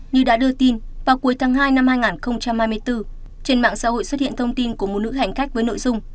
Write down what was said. như đã đưa tin vào cuối tháng hai năm hai nghìn hai mươi bốn trên mạng xã hội xuất hiện thông tin của một nữ hành khách với nội dung